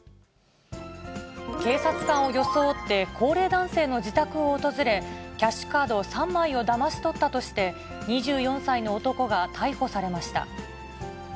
警察官を装って、高齢男性の自宅を訪れ、キャッシュカード３枚をだまし取ったとして、２４歳の男が逮捕されました。